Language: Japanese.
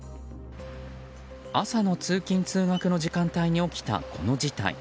朝の通勤・通学の時間帯に起きたこの事態。